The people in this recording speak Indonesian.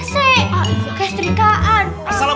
assalamualaikum warahmatullahi wabarakatuh